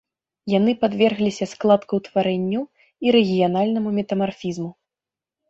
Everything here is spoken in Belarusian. Яны падвергліся складкаўтварэнню і рэгіянальнаму метамарфізму.